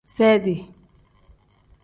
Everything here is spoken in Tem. Seedi.